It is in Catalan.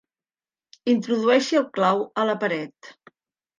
Introdueixi el clau a la paret.